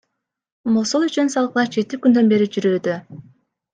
Мосул үчүн салгылаш жети күндөн бери жүрүүдө.